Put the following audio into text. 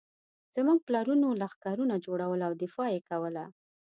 زموږ پلرونو لښکرونه جوړول او دفاع یې کوله.